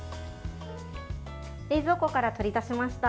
冷蔵庫から取り出しました。